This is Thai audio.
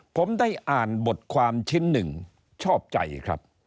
ผมได้อ่านบทความชิ้นหนึ่งชอบใจครับ